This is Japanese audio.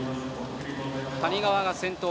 谷川が先頭。